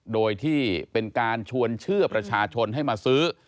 โดยที่เป็นการชวนเชื่อประชาชนให้มาซื้อ